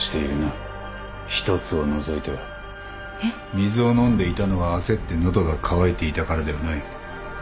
水を飲んでいたのは焦って喉が渇いていたからではない。